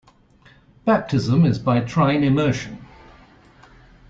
Baptism is by trine immersion.